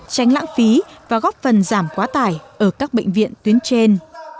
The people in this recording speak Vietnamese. tránh lãng phí và góp phần giảm quá tải ở các bệnh viện tuyến trên